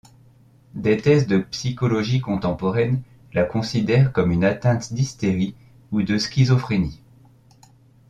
Des thèses de psychologie contemporaine la considèrent comme atteinte d'hystérie ou de schizophrénie.